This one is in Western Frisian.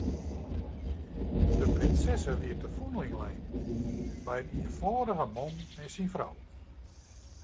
De prinses wie te fûnling lein by in ienfâldige man en syn frou.